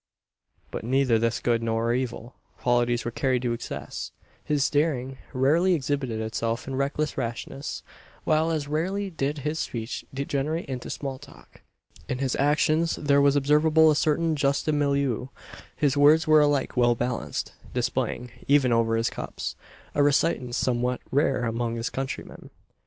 But neither his good, nor evil, qualities were carried to excess. His daring rarely exhibited itself in reckless rashness; while as rarely did his speech degenerate into "small talk." In his actions there was observable a certain juste milieu. His words were alike well balanced; displaying, even over his cups, a reticence somewhat rare among his countrymen.